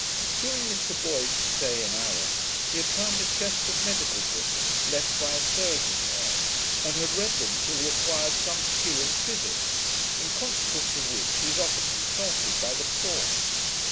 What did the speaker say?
During Mr Boyd's stay in Arran, he had found a chest of medical books, left by a surgeon there, and had read them till he acquired some skill in physick, in consequence of which he is often consulted by the poor.